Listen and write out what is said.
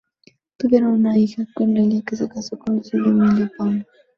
Tuvieron una hija, Cornelia, que se casó con Lucio Emilio Paulo.